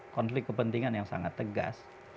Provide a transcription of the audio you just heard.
konflik kepentingan yang sangat tegas